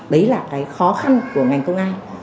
đấy là cái khó khăn của ngành công an